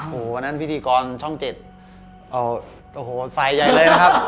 โอ้โหวันนั้นพิธีกรช่องเจ็ดโอ้โหใส่ใหญ่เลยนะครับ